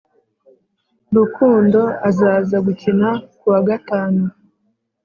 rukundo azajya gukina kuwa gatanu